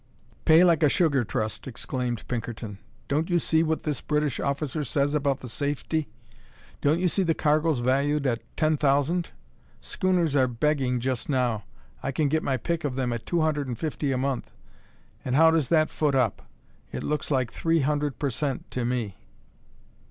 "Pay like a sugar trust!" exclaimed Pinkerton. "Don't you see what this British officer says about the safety? Don't you see the cargo's valued at ten thousand? Schooners are begging just now; I can get my pick of them at two hundred and fifty a month; and how does that foot up? It looks like three hundred per cent. to me."